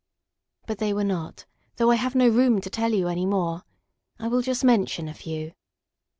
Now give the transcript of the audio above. But they were not, though I have no room to tell you any more. I will just mention a few.